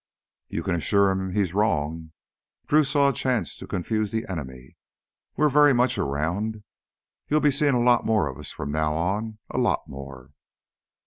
"You can assure him he's wrong." Drew saw a chance to confuse the enemy. "We're very much around. You'll be seem' a lot of us from now on, a lot more."